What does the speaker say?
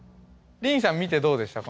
りんさん見てどうでした？